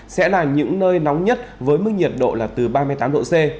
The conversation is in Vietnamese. sẽ là những nơi nóng nhất với mức nhiệt độ là từ ba mươi tám độ c